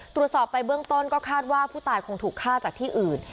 ตรวจสอบไปเบื้องต้นก็คาดว่าผู้ตายคงถูกฆ่าจากที่อื่น